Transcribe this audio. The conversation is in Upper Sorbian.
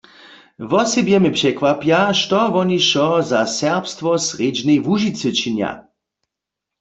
Wosebje mje překwapja, što woni wšo za serbstwo w srjedźnej Łužicy činja.